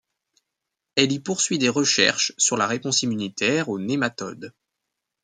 Elle y poursuit des recherches sur la réponse immunitaire aux nématodes.